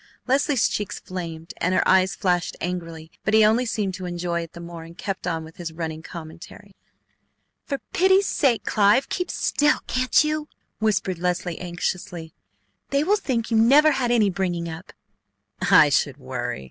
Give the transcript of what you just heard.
Leslie's cheeks flamed and her eyes flashed angrily, but he only seemed to enjoy it the more, and kept on with his running commentary. "For pity's sake, Clive, keep still, can't you?" whispered Leslie anxiously. "They will think you never had any bringing up!" "I should worry!"